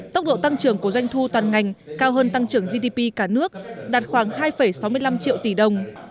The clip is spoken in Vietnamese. tốc độ tăng trưởng của doanh thu toàn ngành cao hơn tăng trưởng gdp cả nước đạt khoảng hai sáu mươi năm triệu tỷ đồng